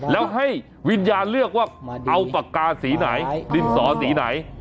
แล้วให้วิญญาณเลือกว่าเอาปากกาสีไหนดินสอสีไหน